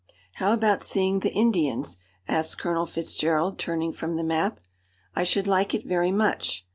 "How about seeing the Indians?" asked Colonel Fitzgerald, turning from the map. "I should like it very much."